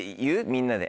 みんなで。